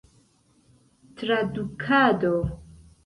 tradukado